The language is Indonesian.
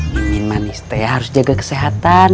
dimin manis teh harus jaga kesehatan